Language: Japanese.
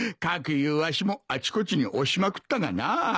かくいうわしもあちこちに押しまくったがな。